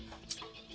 katanya sih udah